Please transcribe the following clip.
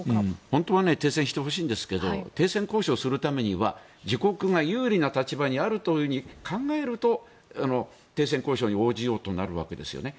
本当は停戦してほしいんですけど停戦交渉するには自国が有利な立場にあると考えると停戦交渉に応じようとなるわけですよね。